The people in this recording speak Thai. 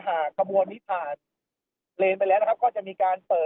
กินดอนเมืองในช่วงเวลาประมาณ๑๐นาฬิกานะครับ